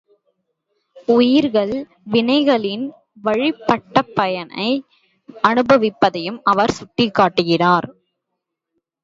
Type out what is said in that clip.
உயிர்கள் வினைகளின் வழிப்பட்டபயனை அனுபவிப்பதையும் அவர் சுட்டிக் காட்டுகிறார்.